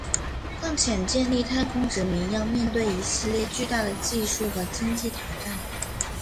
况且建立太空殖民要面对一系列巨大的技术和经济挑战。